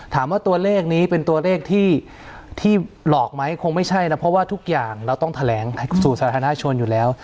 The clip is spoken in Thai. ถามว่าตัวเลขนี้เป็นตัวเลขที่หลอกไหมคงไม่ใช่นะเพราะว่าทุกอย่างเราต้องแถลงสู่สาธารณชนอยู่แล้ว